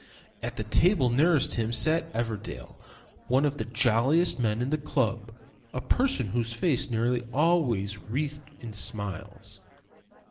At the table nearest him sat Everdell, one of the jolliest men in the club, a person whose face was nearly always wreathed in smiles.